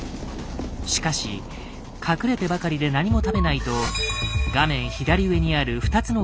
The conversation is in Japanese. しかし隠れてばかりで何も食べないと画面左上にある２つのゲージに変化が。